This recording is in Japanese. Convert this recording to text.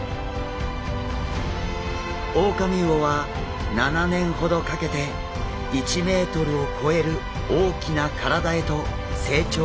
オオカミウオは７年ほどかけて１ｍを超える大きな体へと成長していきます。